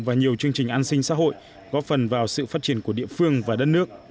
và nhiều chương trình an sinh xã hội góp phần vào sự phát triển của địa phương và đất nước